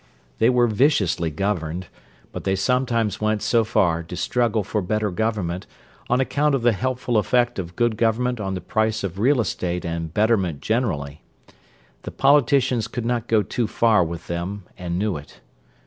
They were viciously governed, but they sometimes went so far to struggle for better government on account of the helpful effect of good government on the price of real estate and "betterment" generally; the politicians could not go too far with them, and knew it.